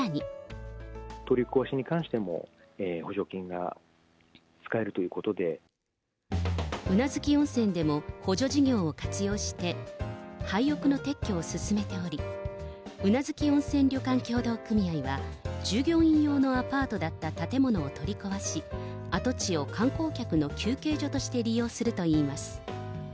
取り壊しに関しても、宇奈月温泉でも補助事業を活用して、廃屋の撤去を進めており、宇奈月温泉旅館協同組合は、従業員用のアパートだった建物を取り壊し、跡地を観光客の休憩所として利用するといいます。